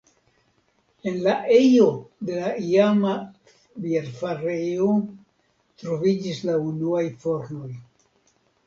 En la ejo de la iama bierfarejo troviĝis la unuaj fornoj.